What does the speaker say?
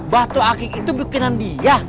batu akik itu bikinan dia